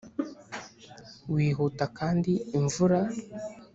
wihuta kandi imvura